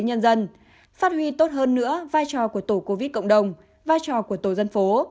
nhân dân phát huy tốt hơn nữa vai trò của tổ covid cộng đồng vai trò của tổ dân phố